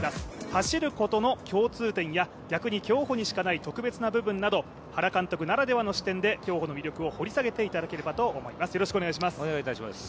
走ることの共通点や、逆に競歩にしかない特別な部分など、原監督ならではの視点で競歩の魅力を掘り下げていただければと思います。